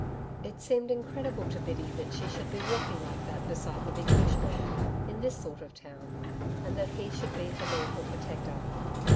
It seemed incredible to Biddy that she should be walking like that beside the big Bushman, in this sort of town, and that he should be her lawful protector.